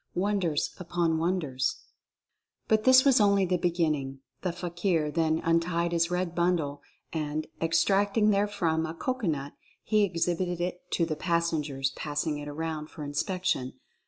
WONDERS UPON WONDERS. But this was only the beginning. The fakir then untied his red bundle, and, extracting therefrom a cocoanut, he exhibited it to the passengers, passing it around for inspection.